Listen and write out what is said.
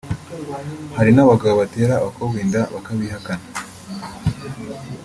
hari n’abagabo batera abakobwa inda bakabihakana